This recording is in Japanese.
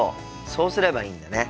そうすればいいんだね。